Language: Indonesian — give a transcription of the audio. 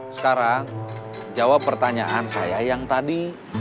sekarang jawab pertanyaan saya yang tadi